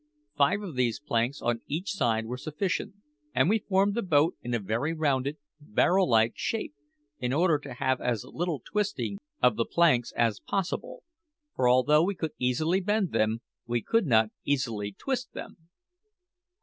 Five of these planks on each side were sufficient; and we formed the boat in a very rounded, barrel like shape, in order to have as little twisting of the planks as possible, for although we could easily bend them, we could not easily twist them.